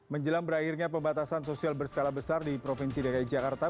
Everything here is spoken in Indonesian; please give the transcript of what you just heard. menjelang berakhirnya pembatasan sosial berskala besar di provinsi dki jakarta